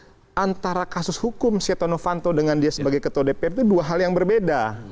karena antara kasus hukum sietono fanto dan dia sebagai ketua dpr itu dua hal yang berbeda